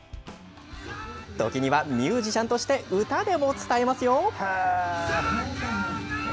時には、ミュージシャンとして歌でも伝えますよ。